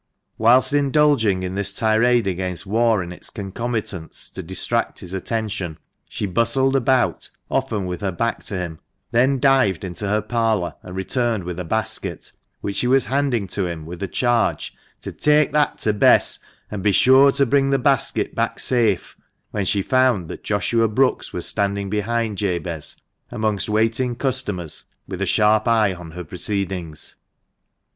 Whilst indulging in this tirade against war and its concomitants, to distract his attention, she bustled about, often with her back to him ; then dived into her parlour, and returned with a basket, which she was handing to him with a charge to " take that to Bess, and be sure to bring the basket back safe," when she found that Joshua Brookes was standing behind Jabez, amongst waiting customers, with a sharp eye on her proceedings.